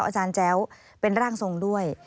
อาจารย์แจ้วเป็นร่างทรงด้วย